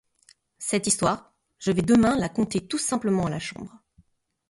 Cette histoire, je vais demain la conter tout simplement à la Chambre.